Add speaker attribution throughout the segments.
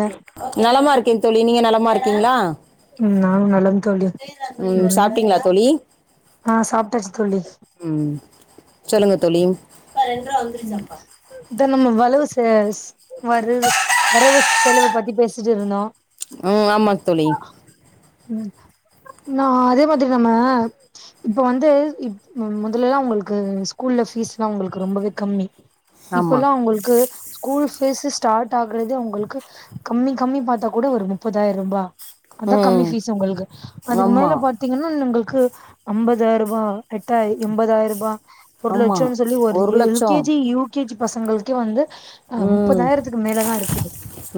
Speaker 1: ம்
Speaker 2: நலமா இருக்கே தோழி நீங்க நலமா இருக் கீங்ளா
Speaker 1: ம் நானும் நலம் தோழி ம்
Speaker 2: சாப்பிட்டீங்களா தோழி
Speaker 1: ஆ சாப்ட்டாச்சி தோழி
Speaker 2: ம் சொல்லுங்க தோழி
Speaker 1: ம் இத நம்ம வலுவு சே எஸ் வரு வரவு செலவ பத்தி பேச வச்சி இருந்தோ
Speaker 2: ம் ஆமாங்க தோழி
Speaker 1: ம் நா அதே மாதிரி நம்ம இப்ப வந்து இப் முதல்லலெல்லா உங்களுக்கு ஸ்கூல்ல பீஸ்ல்லா உங்களுக்கு ரொம்பவே கம்மி
Speaker 2: ஆமா
Speaker 1: இப்பெல்லா உங்களுக்கு ஸ்கூல் ஃபீஸ் ஸ்டார்ட் ஆகுறதே உங்களுக்கு கம்மி கம்மி பாத்தா கூட ஒரு முப்பதாயிர ரூபா அதா கம்மி
Speaker 2: ம்
Speaker 1: ஃபீஸ் உங்களுக்கு அதுக்கு
Speaker 2: ஆமா
Speaker 1: மேல பாத்தீங்கன்னா உங்களுக்கு க்கு ஐம்பதாயிர ரூபா எட்டா எம்பதாயிர ரூபா ஒரு
Speaker 2: ஆமா
Speaker 1: லட்சன்னு சொல்லி ஒரு ஏழு K G U K G பசங்களுக்கே வந்து ஆ
Speaker 2: ம்
Speaker 1: முப்பதாயிரத்துக்கு மேலதா இருக்குது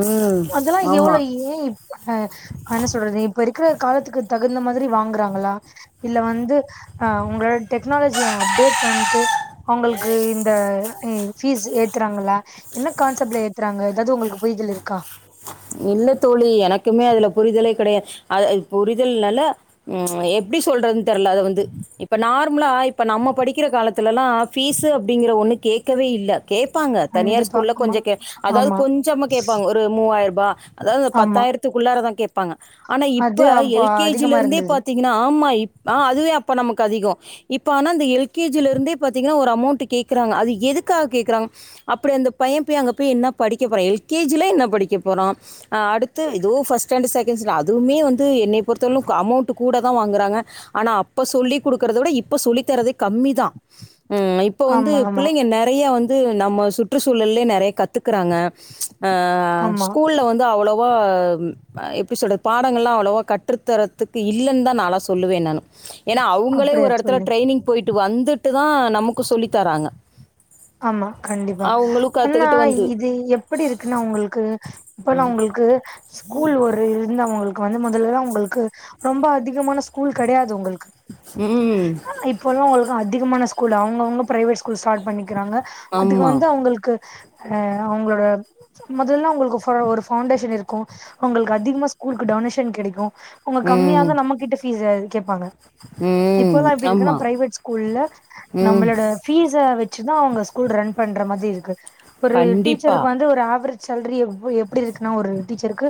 Speaker 2: ம்
Speaker 1: அதெல்லா
Speaker 2: ஆமா
Speaker 1: எவ்வளவு [unintelligible] என்ன சொல்றது இப்பருக் இருக்கிற காலத்துக்கு தகுந்த மாதிரி வாங்குறாங்களா இல்ல வந்து உங்களோட டெக்னாலஜி அப்டேட் பண்ணிட்டு அவங்களுக்கு [unintelligible] ம் ஃபீஸ் ஏத்துறாங்களா என்ன கான்செப்ட்ல ஏத்துறாங்க எதாவது உங்களுக்கு புரிதல் இருக்கா
Speaker 2: இல்ல தோழி எனக்குமே அதுல புரிதலே கெடையாது ஆ ஆ புரிதல்னால ம் எப்டி சொல்றதுன்னு தெர்ல அத வந்து இப்ப நார்மலா இப்ப நம்ம படிக்கிற காலத் துல்லா ஃபீஸ்ஸு அப்டிங்கிற ஒன்னு கேட்கவே இல்ல கேப்பாங்க தனியார்
Speaker 1: கண்டிப்பா
Speaker 2: ஸ்கூல்ல
Speaker 1: ஆமா
Speaker 2: கொஞ்ச கேப் அதாவது
Speaker 1: ஆமா
Speaker 2: கொஞ்சமா கேப்பாங்க ஒரு மூவாயிர ரூபா அதாவது இந்த
Speaker 1: ஆமா
Speaker 2: பத்தாயிரத்துக்குள்ள தா கேப்பாங்க ஆனா
Speaker 1: அது
Speaker 2: இப்ப
Speaker 1: அப்ப அதிகமா
Speaker 2: எல்கேஜிலருந்தே
Speaker 1: இருந்தது
Speaker 2: பாத்தீங்கன்னா ஆமா இப் ஆ அதுவே அப்ப நமக்கு அதிக இப்ப ஆன அந்த எல் கே ஜிலருந்தே பாத்திங்கன்னா ஒரு அமௌண்ட் கேக்குறாங்க அது எதுக்காக கேக்குறாங்க அப்படி அந்த பைய போய் என்னா படிக்க போற எல் கே ஜில என்ன படிக்க போறா ஆ அடுத்து எதோ ஃபஸ்ட்டு ஸ்டாண்டர்ட் செகண்ட் ஸ்டாண்டர்ட் அதுவுமே வந்து என்ன பொறுத்தளவுக் அமௌண்ட்டு கூட தா வாங்குறாங்க ஆனா அப்ப சொல்லி்க்கொடுக்கறத விட இப்ப சொல்லித்தரது கம்மிதா உம் இப்ப வந்து
Speaker 1: ஆமா ஆமா
Speaker 2: பிள்ளைங்க நெறைய வந்து நம்ம சுற்றுச்சூழலயே நெறைய கத்துக்குறாங்க ஆ
Speaker 1: ஆமா
Speaker 2: ஸ்கூல்ல வந் அவ்ளவா எப்டி சொல்றது பாடங்கள்லா அவ்ளவா கற்றுத்தரத்துக்கு இல்லன்னு தா நாலா சொல்லுவேன நானு ஏன்னா அவங்களே
Speaker 1: அப்படியா
Speaker 2: ஒரு எடத்துல
Speaker 1: தோழி
Speaker 2: ட்ரைனிங் போயிட்டு வந் ந்துட்டு தா நமக்கு சொல்லித்தராங்க
Speaker 1: ஆமா கண்டிப்பா ஆனா
Speaker 2: கற்றுக்கிட்டு வந்து
Speaker 1: இது எப்பிடி இருக்குன்னா உங்களுக்கு இப்போலா அவுங்களுக்கு ஸ்கூல் ஒரு இருந்த உங்களுக்கு வந்து மொதலல்லா உங்களுக்கு ரொம்ப அதிகமான ஸ்கூல் கெடையாது உங்களுக்கு
Speaker 2: ம்
Speaker 1: இப்பலா உங்களுக்கு அதிகமான ஸ் கூல் அவுங்கவுங்க ப்ரைவேட் ஸ்கூல் ஸ்டார்ட் பண்ணி க்கிறாங்க அதுக்கு
Speaker 2: ஆமா
Speaker 1: வந்து அவங்களுக்கு அ அவங்களோட மொதலல்லா அவங்களுக்கு ஒரு ஃப ஒரு ஃபவுண்டேஷன் இருக்கு அவங்களுக்கு அதிகமா ஸ்கூலுக்கு டொனேஷன் கெடைக்கு அவுங்க கம்மியா
Speaker 2: ம்
Speaker 1: தா நம்ம கிட்ட ஃபீஸ் [unintelligible] கேப்பாங்க
Speaker 2: ம்
Speaker 1: இப்போலா எப்டி இருக்குன்னா
Speaker 2: ஆமா
Speaker 1: ப்ரைவேட் ஸ்கூல்ல
Speaker 2: ம்
Speaker 1: நம்மளோட ஃபீஸ வச் தா அவுங்க ஸ்கூல் ரண் பண்ற மாதி இருக்கு ஒரு
Speaker 2: கண்டிப்பா
Speaker 1: டீச்சருக்கு வந்து ஒரு ஆவ்ரே சேல்ரி வ்வு எப்டி இருக்குன்னா ஒரு டீச்சர்க்கு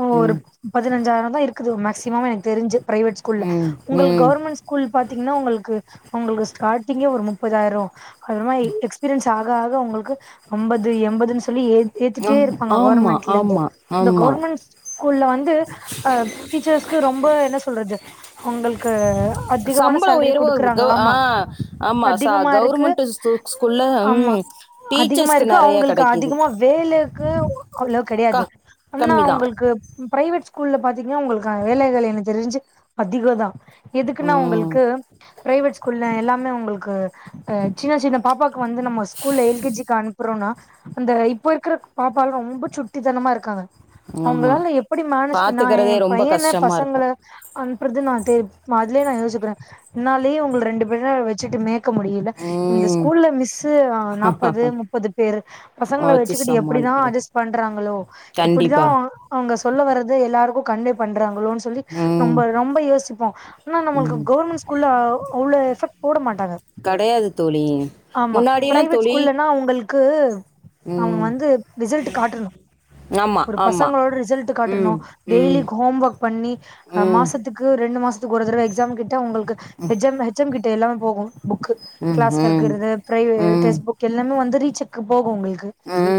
Speaker 1: ஓ ஒரு
Speaker 2: ம்
Speaker 1: பதினஞ்சாய்ரொ தா இருக்குது மேக்சிமம் எனக்கு தெரிஞ்சி ப்ரைவேட் ஸ்கூல்ல
Speaker 2: ம்
Speaker 1: உங்களுக்
Speaker 2: ம்
Speaker 1: கவ்ர்மெண்ட் ஸ்கூல் பாத் பாத்தீங்னா உங்களுக்கு உங்களுக்கு ஸ்டாட்டிங்கே ஒரு முப்பதாய்ரொ அது இலாம எக்ஸ்ப்பீரியன்ஸ் டாக ஆக உங்களுக்கு அம்பது எம்பதுன்ஸ் சொல்லி ஏத் ஏத்திட்டே
Speaker 2: ஆம்
Speaker 1: இருப்பாங்க
Speaker 2: ஆமா
Speaker 1: கோர்மென்ட்லேந்து
Speaker 2: ஆமா
Speaker 1: இந்த
Speaker 2: ஆமா
Speaker 1: கோர்மெண்ட் ஸ்கூல்ல வந்து ஆ டீச்சர்ஸ்க்கு ரொம்ப என்ன சொல்றது அவ்ங்களுக் க
Speaker 2: அ சம்பளொ உயர்வு க ஆ ஆமா ச
Speaker 1: அதிகமா இருக்கு
Speaker 2: கவ்ர்மெண்ட்டு ஸ்
Speaker 1: ஆமா அதிகமா இருக்கு
Speaker 2: நெறைய
Speaker 1: அவுங்களுக்கு
Speaker 2: கெடைக்குது
Speaker 1: அதிகமா வேலேக்கு அவ்ளோக் கெடையாது
Speaker 2: க
Speaker 1: ஆனா
Speaker 2: கம்மிதா
Speaker 1: அவ்ங்களுக்கு ப்ரை வேட் ஸ்கூல்ல பாத்தீங்னா உங்களுக்கான வேலைகள் எனக்கு தெரிஞ்சி அதிகோதா எதுக்குனா
Speaker 2: ம்
Speaker 1: உங்களுக்கு பிரைவேட் ஸ்கூல்ல எல்லா என்ன உங்களுக்கு அ சின்ன சின்ன பாப்பாக்கு வந்து நம்ம ஸ்கூல்ல எல் கே ஜி க்கு அனுப்புறோனா அந்த இப்போ இருக்கிற பாப்பாலா ரொம்ப சுட்டித்தனமா இருக்காங்க
Speaker 2: ஆமா
Speaker 1: அவுங்களால எப்படி மேனேஜ் நா
Speaker 2: பாத்துக்கறதே
Speaker 1: எம்
Speaker 2: ரொம்ப
Speaker 1: பையன
Speaker 2: கஷ்டமா இருக்கு
Speaker 1: பசங்கள அனுப்புறது நா தெ அதுலயே நா யோசிச்சுக்ற என்னாலயே உங்கள ரெண்டு பேருனா வெச்சுட்டு மேக் க முடியல இந்த
Speaker 2: ம்
Speaker 1: ஸ்கூல்ல மிஸ்சு ஆ நாப்பது முப்பது பேரு பசங்கள
Speaker 2: வச்சு
Speaker 1: வச்சுகிட்டு எப்பிடிதா
Speaker 2: சமாளிக்கிறது
Speaker 1: அட்ஜஸ்ட் பண்றாங்களோ எப்பிடிதா
Speaker 2: கண்டிப்பா
Speaker 1: அவுங் அவுங்க ஸ் சொல்ல வரது எல்லாருக்கு கன்வே பண்றாங்க அவ்ளோன் சொல்லி
Speaker 2: ம்
Speaker 1: நம்ப ரொம்ப யோசிப்போ ஆனா நம்மள்கு
Speaker 2: ம்
Speaker 1: கவர்மெண்ட் ஸ்கூல்ல அவ்ளோ எஃபெக்ட் போட மாட்டாங்க
Speaker 2: கடையாது தோழி
Speaker 1: ஆமா
Speaker 2: முன்னாடியெல்லா
Speaker 1: பிரைவேட்
Speaker 2: தோழி
Speaker 1: ஸ்கூல்லனா அவுங்களுக் கு அவங்க
Speaker 2: ம்
Speaker 1: வந்து ரிசல்ட் காட்டணு
Speaker 2: ஆமா
Speaker 1: ஒரு
Speaker 2: ஆமா
Speaker 1: பசங்களோட ரிசல்ட் காட்டணு
Speaker 2: ம்
Speaker 1: டெய்லி
Speaker 2: ம்
Speaker 1: ஹோம் ஒர்க் பண்ணி அ
Speaker 2: ம்
Speaker 1: மாசத்துக்கு ரெண்டு மாசத் துக்கு ஒரு தரவ எக்ஸாமுக்கு ட்ட அவுங்ளுக்கு ஹெச் எம் ஹெச் எம் கிட் டெலா போகு புக்கு
Speaker 2: ம்
Speaker 1: க்ளாஸ்
Speaker 2: ம்
Speaker 1: இருக்கறது பிரைவே
Speaker 2: ம்
Speaker 1: டெஸ்ட் புக் எல்லாமே வந்து பீச்சுக்கு போக முடியுது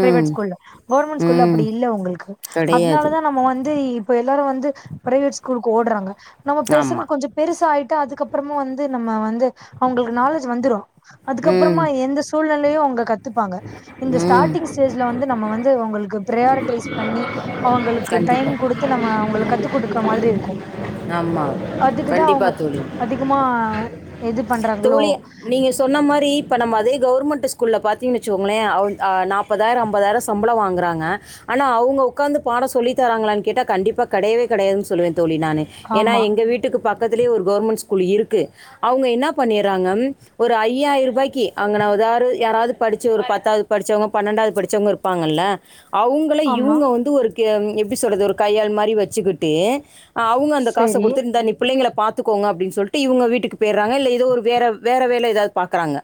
Speaker 1: பிரைவேட் ஸ்கூல்ல கவர்மெண்ட் ஸ்கூல்ல
Speaker 2: ம்
Speaker 1: அப்பிடி இல்ல உங்களுக்கு
Speaker 2: கெடையாது
Speaker 1: அதனால தா நம்ம வந்து இப்ப எல்லாரு வந்து பிரைவேட் ஸ்கூலுக்கு ஓடறாங்க நம்ம பெசங்க
Speaker 2: ஆமா
Speaker 1: கொஞ்சோ பெருசாயிட் ட்டு அதுக்கப்புறமும் வந்து நம்ம வந்து அவுங்களுக்கு நாலேஜ் வந்துரு
Speaker 2: ம்
Speaker 1: அதுக்கப்புறமா எந்த சூழ்நெலையு அவுங்க கத்துப்பாங்க இந்த
Speaker 2: ம்
Speaker 1: ஸ்டார்ட்டிங் ஸ்டேஜ்ல வந்து நம்ம வந்து அவங்களுக்கு பிர்யாரிட்டைஸ் பண்ணி அவங்களுக்கு டைம்
Speaker 2: கண்டிப்பா
Speaker 1: கொடுத்து நம்ம அவங்களுக் கத்து குடுக்கற மாதிரி இருக்கு
Speaker 2: ஆமா
Speaker 1: அதுக்குதா
Speaker 2: கண்டிப்பா
Speaker 1: அவுங்க
Speaker 2: தோழி
Speaker 1: அதிகமா எது பண்றாங்களோ
Speaker 2: து மாரி இப்ப நம்ம அதே கவர்மெண்ட்டு ஸ்கூல்ல பாத்தீங் வெச்சிக்கோங்களே அ அ நாப்பதாயிரோ ஐம்பதாயிரோ சம்பளம் வாங்கறாங்க ஆனா அவுங்க உக்காந்து பாடோ சொல்லித் தராங்களானு கேட்டா கண்டிப்பா கடையவே கடையாதுன்ன சொல்லுவே தோழி நானு ஏனா
Speaker 1: ஆமா
Speaker 2: எங்க வீட்டுக்கு பாக்க த்திலயே ஒரு கவர்மெண்ட் ஸ்கூல் இருக்கு அவுங்க என்ன பண்ணிறாங்க ஒரு ஐயாயிரம் ரூபாய்க்கி அங்க நான் யாராவது படிச்சு ஒரு பத்தாவது படிச்சவங்க பன்னெண்டாவது படிச்சவங்க இருப்பாங்கல அவங்கள
Speaker 1: ஆமா
Speaker 2: இவுங்க வந்து ஒரு க்க எப்பிடி சொல்றது ஒரு கையாலு மாதிரி வச்சுக்கிட்டு அ அவுங்க அந்த காச
Speaker 1: சரி
Speaker 2: குடுத்து இந்தா நீ புள்ளைங்கள பாத்துக்கோங்க அப்டின்னு சொல்லிட்டு இவுங்க வீட்டுக்கு போயிறாங்க இல்ல ஏதோ ஒரு வேற வேற வேல யதாவுது பாக்கறாங்க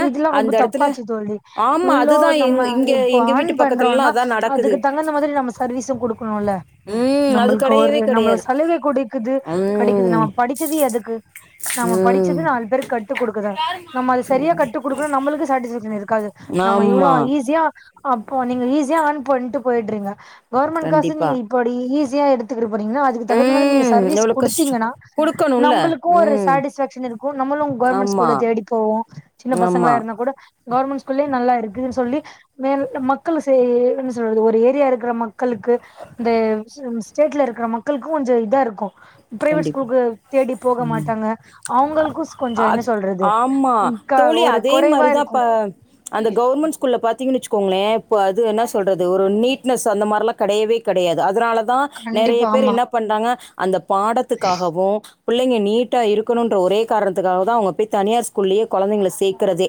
Speaker 1: இ இதெல்லா ரொம்ப தப்பாச்சு தோழி
Speaker 2: ஆமா
Speaker 1: இவ்ளோ
Speaker 2: அதுதான் எங்
Speaker 1: நம்ம
Speaker 2: இங்க
Speaker 1: இப்ப
Speaker 2: எங்க
Speaker 1: ஆன்
Speaker 2: வீட்டு பக்கத்துலலாம்
Speaker 1: பண்றோன்னா
Speaker 2: அதான் நடக்குது
Speaker 1: அதுக்கு தகுந்த மாதிரி நம்ம சர்வீசும் குடுக்கணும்ல
Speaker 2: ம் அது
Speaker 1: நம்பளுக்கு ஒரு
Speaker 2: கிடையவே
Speaker 1: நம்மள
Speaker 2: கிடையாது
Speaker 1: சலுகை கொடைக்குது கடைக்குது நா
Speaker 2: ம்
Speaker 1: படிச்சது எதுக்கு நம்ம
Speaker 2: ம்
Speaker 1: படிச்சது நாலு பேருக் கட்டு கொடுக்குதா நம்ம அத சரியாக கட்டு குடுக்கணு நம்ளுக்கு சாட்டிஸ்ஃபக்ஷன் இருக்கது நம்ம இவ்ளோ
Speaker 2: ஆமா
Speaker 1: ஈஸியா அப்போ நீங்க ஈஸியா ஆர்ன் பண்ட்டு போயிடுறீங்க கவர்மெண்ட் காசு
Speaker 2: கண்டிப்பா
Speaker 1: நீங்க இப்புடி ஈ [unintelligible] எடுத்து அதுக்கு தகுந்த மாரி நீங்க
Speaker 2: ம்
Speaker 1: சர்வீஸ்
Speaker 2: எவ்வளோ கஷ்டம்
Speaker 1: கூடுத்தீங்கன்னா
Speaker 2: கொடுக்கணும்ல
Speaker 1: நம்மளுக்கு ஒரு
Speaker 2: ம்
Speaker 1: சட்டிஸ்பக்ஷ்ன் இருக்கு நம்முளும் கவர்மெண்ட்
Speaker 2: ஆமா
Speaker 1: ஸ்கூல தேடி போவோ சின்ன பசங்களா
Speaker 2: ஆமா
Speaker 1: இருந்தா கூட கவர்மெண்ட் ஸ்கூல்லே நல்லா இருக்குதுன்னு சொல்லி மக்களு [unintelligible] என்ன சொல்றது ஒரு ஏரியா இருக்கற மக்களுக்கு இந்த ஸ் ஸ்டேட்ல இருக்கற மக்களுக்கு கொஞ்சோ இதா இருக்கு பிரைவேட்
Speaker 2: கண்டிப்பா
Speaker 1: ஸ்கூலுக்கு தேடி போக மாட்டாங்க அவங்களுக்கு கொஞ்சோ என்ன
Speaker 2: அது
Speaker 1: சொல்றது
Speaker 2: ஆமா
Speaker 1: உம்
Speaker 2: தோழி அதே மாரிதா அந்த கவர்மெண்ட் ஸ்கூல்ல பாத்தி வச்சுக்கோங்களே இப்ப அது என்ன சொல்றது ஒரு நீட்னஸ் அந்த மாரில்லா கெடையவே கெடையது அதனாலா தா நெறைய
Speaker 1: கண்டிப்பா
Speaker 2: பேர்
Speaker 1: ஆமா
Speaker 2: என்ன பண்றாங்க அந்த பாடத்துக்காகவு பிள்ளைங்க நீட்டா இருக்கணும்ன்ற ஒரே காரணத்துக்காக தா அவங்க போய் தனியார் ஸ்கூல்லேயே குழந்தைங்களை சேர்க்கறதே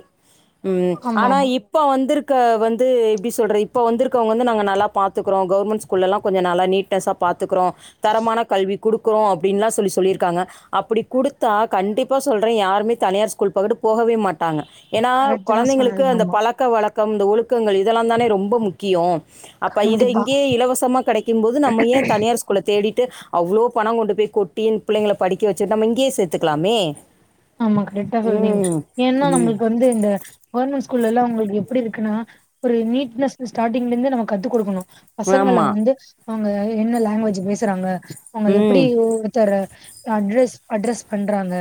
Speaker 2: உம்
Speaker 1: ஆமா
Speaker 2: ஆனா
Speaker 1: ஆமா
Speaker 2: இப்ப வந்துருக்கு வந்து எப்படி சொல்ற இப்போ வந்துருக்கறகவந்து நாங்க நல்லா பாத்துக்குறோம் கவர்மெண்ட் ஸ்கூல்லெல்லாம் கொஞ்சம் நல்லா நீட்னஸ்ஸா பாத்துக்குறோம் தரமான கல்வி குடுக்கிறோ அப்படின்னுலாம் சொல்லி சொல்லியிருக்காங்க அப்படி குடுத்தா கண்டிப்பா சொல்றேன் யாருமே தனியார் ஸ்கூல் பகட்டு போகவே மாட்டாங்க ஏன்னா
Speaker 1: கரெக்ட் தா
Speaker 2: குழந்தைங்களுக்கு
Speaker 1: சொல்றீங்க
Speaker 2: அந்த
Speaker 1: ஆமா
Speaker 2: பழக்க வழ கம் இந்த ஒழுக்கங்கள் இதெல்லாம் தானே ரொம்ப முக்கியம் அப்ப இத
Speaker 1: கண்டிப்பா
Speaker 2: இங்கயே இலவசமா கிடைக்கும் போது நம்ம ஏன் தனியார் ஸ்கூல தேடிட்டு அவ்ளோ பணம் கொண்டு போய் கொட்டி பிள்ளைகள படிக்க வெச்சு நம்ம இங்கயே சேர்த்துக்கலாமே
Speaker 1: ஆமா கரெக்டா சொல்றீங்க
Speaker 2: ம்.
Speaker 1: ஏன்னா
Speaker 2: ம்.
Speaker 1: நம்மளுக்கு வந்து இந்த கவர்மெண்ட் ஸ் ஸ்கூல் எல்லாம் உங்களுக்கு எப்படி இருக்குன்னா ஒரு நீட்னஸ் ஸ்டார்டிங்ல இருந்து நம்ம கத்து கொடுக்கணும் பசங்கள
Speaker 2: ஆமா.
Speaker 1: வந்து அவங்க என்ன லாங்குவேஜ் பேசுறாங்க
Speaker 2: ம்
Speaker 1: அவங்க
Speaker 2: ம்
Speaker 1: எப்படி ஒருத்தர அட்ரஸ் அட்ரஸ் பண்றாங்க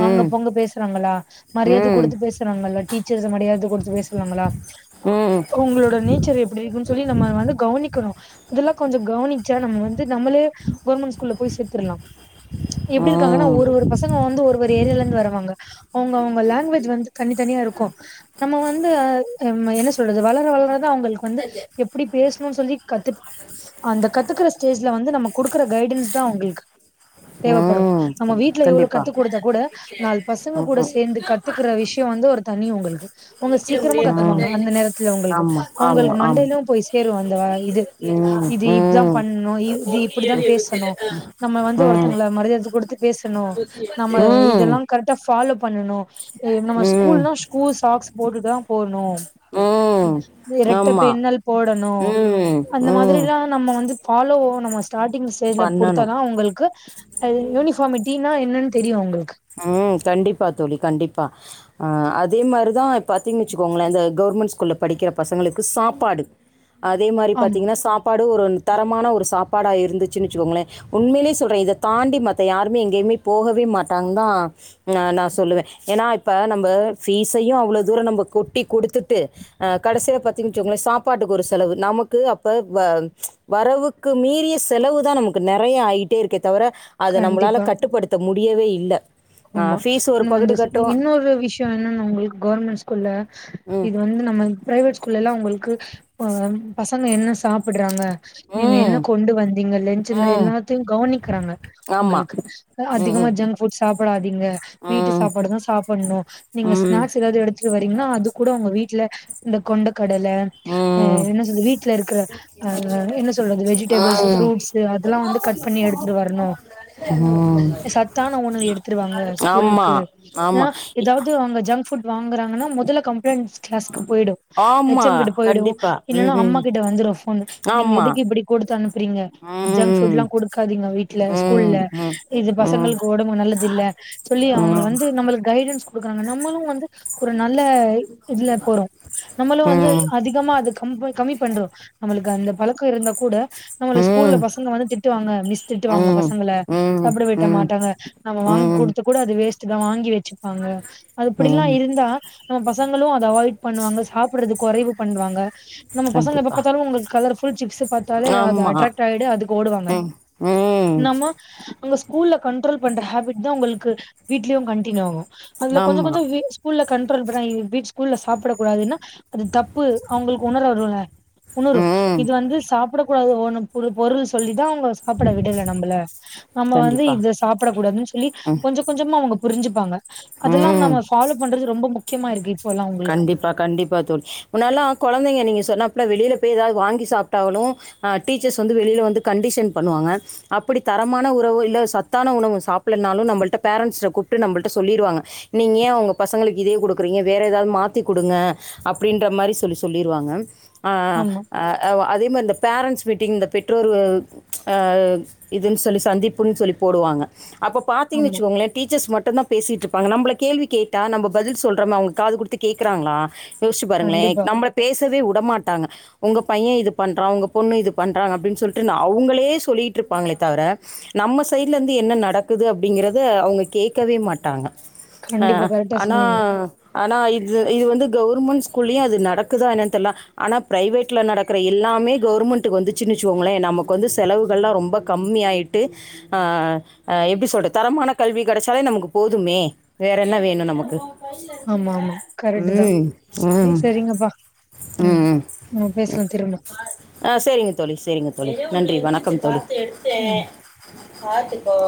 Speaker 1: வாங்க போங்க பேசுறாங்களா மரியாதை
Speaker 2: ம்
Speaker 1: கொடுத்து பேசுறாங்களா டீச்சர்ஸ் மரியாதை கொடுத்து பேசுறாங்களா
Speaker 2: ம்
Speaker 1: அவங்களோட நேச்சர் எப்படி இருக்குன்னு சொல்லி நம்ம வந்து கவனிக்கணும் இதெல்லா கொஞ்சம் கவனிச்சா நம்ம நம்மளே கவர்மெண்ட் ஸ்கூல்ல போய் சேர்த்துரலாம் எப்படி இருக்காங்கன்னா
Speaker 2: ம்
Speaker 1: ஒரு ஒரு பசங்க வந்து ஒரு ஒரு ஏரியால இருந்து வரவங்க அவங்க அவங்க லாங்குவேஜ் வந்து தனித்தனியா இருக்கும் நம்ம வந்து நம்ம என்ன சொல்றது வளர வளர அவங்களுக்கு வந்து எப்படி பேசணும்னு சொல்லி கத்து அந்த கத்துக்கிற ஸ்டேஜ்ல வந்து நமக் குடுக்குற கைடன்ஸ் தான் அவங்களுக்கு தேவைப்படும்
Speaker 2: ம்
Speaker 1: நம்ம
Speaker 2: கண்டி-
Speaker 1: வீட்ல இவ்வளோ
Speaker 2: கண்டிப்பா
Speaker 1: கத் கொடுத்தா கூட நாலு பசங்க
Speaker 2: ம்
Speaker 1: கூட
Speaker 2: ம்.
Speaker 1: சேர்ந்து கத்துக்கற விஷயம் வந்து ஒரு தனி அவங்களுக்கு அவங்க சீக்கிரமா கத்துப்பாங்க அந்த நேரத்துல அவங்களுக்கு
Speaker 2: ஆமா ஆமா
Speaker 1: அவங்களுக்கு
Speaker 2: ஆமா
Speaker 1: மண்டையிலும் போய் சேரும் அந்த இது
Speaker 2: ம் ம்
Speaker 1: இது இப்பதான்
Speaker 2: ம்
Speaker 1: பண்ணணும் இ இப்படித்தான் பேசணும் நம்ம வந்து வந்து
Speaker 2: ம்
Speaker 1: ஒருத்தங்கள மரியாதை கொடுத்து பேச னோ நம்ம
Speaker 2: ம்
Speaker 1: இதெல்லாம் கரெக்டா ஃபாலோ பண்ணனும் நம்ம
Speaker 2: ம்
Speaker 1: ஸ்கூல்னா சூ சாக்ஸ் போட்டுதான் போனும் இரட்ட
Speaker 2: ஆமா
Speaker 1: பின்னல் போ
Speaker 2: ம்
Speaker 1: அந்த
Speaker 2: ம்
Speaker 1: மாதிரல்லா நம்ம வந்து ஃபாலோ நம்ம ஸ்டாடிங் டைலர் கொடுத்தா
Speaker 2: பண்ணணும்
Speaker 1: தான் அவங்களுக்கு யூனிபார்ம் [unintelligible] தெரியும் அவுங்களுக்கு
Speaker 2: உம் கண்டிப்பா தோழி கண்டிப்பா அதே மாரிதான் பார்த்தீங்கு வச்சுக்கோங்களேன் இந்த கவர்மெண்ட் ஸ்கூல்ல படிக்கிற பசங்களுக்கு சாப்பாடு அதே மாரி
Speaker 1: ஆமா
Speaker 2: பாத்தீங்கன்னா சாப்பாடு ஒரு தரமான ஒரு சாப்பா டா இருந்துச்சுச்சுக்கோங்களே உண்மையே சொல்றேன் இதை தாண்டி யாருமே எங்கயுமே போகவே மாட்டேன் மாட்டாங்க தான் ஆஹ் நான் சொல்லுவேன் ஏன்னா இப்ப நம்ம பீஸையும் அவ்வளவு தூரம் நம்ம கொட்டி கொடுத்துட்டு அஹ் கடைசியில பாத்தீங்கச்சங்களே சாப்பாட்டுக்கு ஒரு செலவு நமக்கு அப்ப வரவுக்கு மீறிய செலவு தான் நமக்கு நிறைய ஆகிட்டே இருக்க தவிர அத நம்மளால
Speaker 1: கண்டிப்பா
Speaker 2: கட்டுப்படுத்த முடியும் முடியவே இல்ல ஆ
Speaker 1: ஆமா
Speaker 2: ஃபீஸ் ஒரு
Speaker 1: இன்ன
Speaker 2: பகுடு
Speaker 1: வந்து
Speaker 2: கட்டுவோம்
Speaker 1: இன்னொரு விஷயம் என்னன்ன உங்களுக்கு கவர்மெண்ட் குல்ல
Speaker 2: ம்
Speaker 1: இது வந்து நம்ம பிரைவேட் கள்ளல்லாம் உங்களுக்கு பசங்க என்ன சாப்பிடுறாங்க நீங்க
Speaker 2: ம்
Speaker 1: என்ன கொண்டு வந்தீங்க லென்ட்சல
Speaker 2: ம்
Speaker 1: எல்லாத்தையும் கவனிக்கிறாங்க
Speaker 2: ஆமா
Speaker 1: உங்களுக்கு
Speaker 2: ம்
Speaker 1: அதிகமா
Speaker 2: ம்
Speaker 1: ஜங்க் புட் சாப்ப ங்க வீட்டு
Speaker 2: ம்
Speaker 1: சாப்பாடுதான் சாப்பிடணும் நீங்க
Speaker 2: ம்
Speaker 1: ஸ்நாக்ஸ் ஏதாவது எடுத்துட்டு வரீங்கன்னா அது கூட உங்க வீட்டுல இந்த கொண்டு கடல
Speaker 2: ம் ம்
Speaker 1: என்ன சொல்ற வீட்டுல இருக்கிற என்ன சொல்றது வெஜிடபிள்ஸ் ப்ரூட்ஸ் அதெல்லாம் வந்து கட் பண்ணி எடுத்துட்டு வரணும்
Speaker 2: ம்
Speaker 1: சத்தான உணவு எடுத்து டு வாங்க
Speaker 2: ஆமா
Speaker 1: ஸ்கூலுக்கு
Speaker 2: ஆமா இ
Speaker 1: ஏதாவது அவங்க ஜங்க் புட் வாங்க ங்கறாங்கா முதல கம்ப்ளைண்ட் கிளாஸக்கு போயிடும்
Speaker 2: ஆமா
Speaker 1: எச்சம் கிட்ட போயிடும்
Speaker 2: கண்டிப்பா ம்
Speaker 1: இல்லனா அம்மா
Speaker 2: ம்
Speaker 1: கிட்ட வந்துரும் போன் நீங்க
Speaker 2: ஆமா
Speaker 1: எதுக்கு இப்படி கொடுத்து அனுப்புறீங்க ஜங்க் புட்
Speaker 2: ம்
Speaker 1: எல்லாம் கொடுக்காதீங்க வீட்டுல
Speaker 2: ம்
Speaker 1: ஸ்கூல்ல
Speaker 2: ம் ம்
Speaker 1: இது
Speaker 2: ம்
Speaker 1: பசங்களுக்கு உடம்பு நல்ல இல்ல சொல்லி
Speaker 2: ம் ம்
Speaker 1: அவங்க வந்து நம்மளுக்கு கைடன்ஸ் கொடுக்குறாங்க நம்மளும் வந்து ஒரு நல்ல இதுல போறோ நம்மளும் வந்து
Speaker 2: ம்
Speaker 1: அதிகமா அது கம் கம்மி பண்றோம் நம்மளுக்கு அந்த பழக்கம் இருந்தா கூட நம்மள ஸ்கூல்ல பசங்க வந்து திட்டுவாங்க மிஸ் திட்டுவாங்க பசங்கள
Speaker 2: ம்
Speaker 1: சாப்பிட விட
Speaker 2: ம்
Speaker 1: மாட்டாங்க நம்ம வாங்கி
Speaker 2: ம்
Speaker 1: கொடுத்த கூட அது வேஸ்ட் தான் வாங்கி வச்சு வச்சுப்பாங்க
Speaker 2: ம்
Speaker 1: அதுப்படிலாம் இருந்தா நம்ம பசங்களும் அதை அவாய்ட் பண்ணுவாங்க சாப்பிடறதுக்கு குறைவு பண்ணுவாங்க நம்ம பசங்களை
Speaker 2: கண்டிப்பா
Speaker 1: பார்த்தாலும் உங்களுக்கு கலர் சிப்ஸ் பாத்தாலே அது
Speaker 2: ஆமா
Speaker 1: அட்ராக்ட் ஆயிடு அதுக்கு ஓடுவாங்க
Speaker 2: ம் ம்
Speaker 1: அங்க ஸ்கூல கண்ட்ரோல் பண்ற ஹேபிட் தா உங்களுக்கு வீடலேயு கண்டினியூ ஆகு அதுல கொஞ்ச
Speaker 2: ஆமா
Speaker 1: கொஞ்ச வி ஸ்கூல கண்ட்ரோல் பண்ண வீட் ஸ்கூல்ல சாப்பிட கூடாதுன்னா அது தப்பு அவங்களுக்கு உணரவருல உணரும்
Speaker 2: ம்
Speaker 1: இது வந்து சாப்பிட கூடாது ஒ பொருள் சொல்லிதா சாப்பிட விடல நம்மள நம்ம வந்து
Speaker 2: கண்டிப்பா
Speaker 1: இத சாப்ப படக்கூடான்னு சொல்லி
Speaker 2: ம்
Speaker 1: கொஞ்ச கொஞ்சமா அவங்க புரிஞ்சுப்பாங்க அதெல்லா
Speaker 2: ம்
Speaker 1: நம்ம ஃபாலோ பண்றது ரொம்ப முக் முக்கியமா இருக்கு இப்போல்லா உங்களுக்கு
Speaker 2: கண்டிப்பா கண்டிப்பா தோழி முன்னாடிலா குழந்தைங்க நீங்க சொன்னா வெளில போய் ஏதாவது வாங்கி சாப்பிட்டாங்கனு ஹ டீச்சர்ஸ் வந்து வெளில வந்து கண்டஷன் பண்ணுவாங்க அப்டி தரமான உறவு இல்ல சத்தான உணவு சாப்புட்லனாலு நம்மள்ட்ட பேரண்ட்ஸ்ட கூப்பிட்டு நம்மல்ட சொல்லிறுவாங்க நீங்க ஏன் உங்க பசங்களுக்கு இத குடுகுறீங்க வேற எதாவதும் மாத்தி குடுங்க அப்டின்ற மாரி சொல்லி சொல்லிருவாங்க ஆ
Speaker 1: ஆமா
Speaker 2: அ அவ் அதே ம் அந்த பேரண்ட்ஸ் மீட்டிங் இந்த பெற்றோர் ஹ இதுன்னு சொல்லி சந்திப்புன்னு சொல்லி போடுவாங்க அப்போ
Speaker 1: ஆமா
Speaker 2: பாத்தீங்குவச்சுக்கோங்களே டீச்சர்ஸ் மட்டு ட்டு தா பேசிட்டு இருப்பாங்க நம்ம கேள்வி கேட்டா நம்ம பதில் சொல்றோமே அவங்க காது கொடுத்து கேக்குறாங்களா யோச்சு பாருங்களே
Speaker 1: கண்டிப்பா
Speaker 2: நம்ம பேச வே வுடமாட்டாங்க உங்க பையன் இத பண்ற உங்க பொண்ணு இது பண்ற அப்டினு சொல்டு அவ்களே சொல்லிடுறுபாங்ளே தவர நம்ம சைடுல இருந்து என்ன நடக்குது அப்படிங்கரத அவங்க கேக்கவே மாட்டாங்க
Speaker 1: கண்டிப்பா
Speaker 2: அஹ்
Speaker 1: கரெக்டா
Speaker 2: ஆனா
Speaker 1: சொன்னீங்க
Speaker 2: ஆனா இது இது இது வந்து கவுவர்மெண்ட் ஸ்கூல்லயு அது நடக்குதா என்னன்னு தெரியல ஆனா பிரைவேட்ல நடக்கற எல்லாமே கவுர்மெண்ட்டுக்கு வந்துச்சுனு வச்சுக்கோங்களே நமக்கு வந்து செலவுகல்ல ரொம்ப கம்மி ஆயிட்டு அஹ் ஹ் எப்டி சொல்ற தரமான கல்வி கிடைச்சாலே நமக்கு போதுமே வேற என்ன வேணு நமக்கு வயசல இருக்குல
Speaker 1: கரெக்ட தா சேரி சேரிங்கப்பா ம் உம் நம்ம பேசலா திரும்ப
Speaker 2: ஆ சேரிங்க தோழி சேரிங்க தோழி நன்றி வணக்கம் தோழி
Speaker 1: ம்
Speaker 2: எடுத்தேன் பாத்து இப்போ